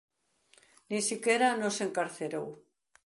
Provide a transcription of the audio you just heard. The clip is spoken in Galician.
Nin sequera nos encarcerou.